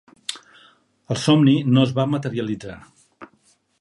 El somni no es va materialitzar.